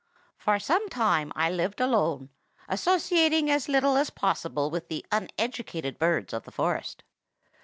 "For some time I lived alone, associating as little as possible with the uneducated birds of the forest.